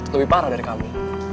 lebih parah dari kamu